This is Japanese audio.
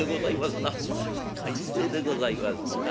「ああ快晴でございますなあ」。